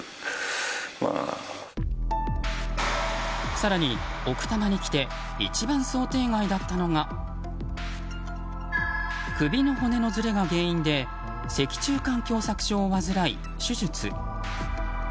更に、奥多摩に来て一番想定外だったのが首の骨のずれが原因で脊柱管狭窄症を患い手術。